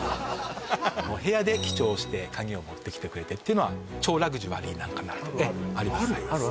お部屋で記帳して鍵を持ってきてくれてっていうのは超ラグジュアリーなのかなとええありますある？